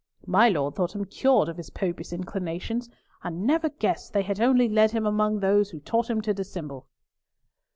My Lord thought him cured of his Popish inclinations, and never guessed they had only led him among those who taught him to dissemble."